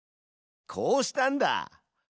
こうしたんだ。